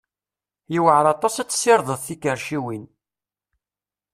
Yewɛer aṭas ad tessirdeḍ tikerciwin.